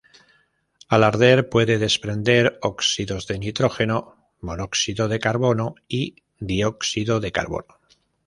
Al arder puede desprender óxidos de nitrógeno, monóxido de carbono y dióxido de carbono.